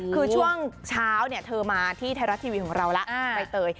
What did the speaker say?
คือช่วงเช้าเธอมาที่ไทยรัฐทีวีของเราแล้วใบเตย